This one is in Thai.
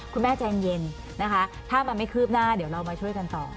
คุณแม่ใจเย็นนะคะถ้ามันไม่คืบหน้าเดี๋ยวเรามาช่วยกันต่อ